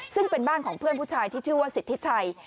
ซึ่งเป็นบ้านของเพื่อนผู้ชายที่ชื่อว่าสิทธิชัย